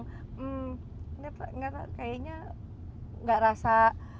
kayaknya gak rasa